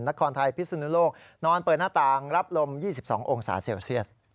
นครไทยพิศนุโลกนอนเปิดหน้าต่างรับลม๒๒องศาเซลเซียส